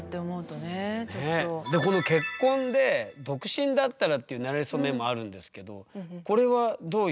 でこの「結婚」で「独身だったら」っていうなれそメモあるんですけどこれはどういう？